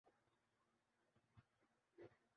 یہ ہماری تاریخ کا ایک دلچسپ اور پر اسرار باب ہے۔